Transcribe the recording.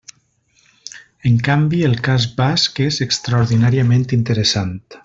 En canvi, el cas basc és extraordinàriament interessant.